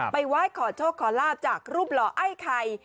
ไหว้ขอโชคขอลาบจากรูปหล่อไอ้ไข่